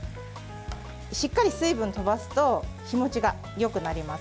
しっかり水分をとばすと日もちがよくなります。